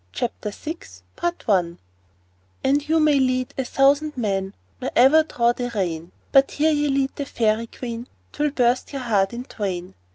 CHAPTER VI "And you may lead a thousand men, Nor ever draw the rein, But ere ye lead the Faery Queen 'Twill burst your heart in twain."